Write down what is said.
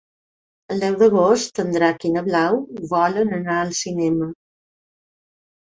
El deu d'agost en Drac i na Blau volen anar al cinema.